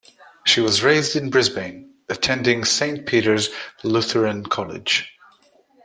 She was raised in Brisbane, attending Saint Peter's Lutheran College.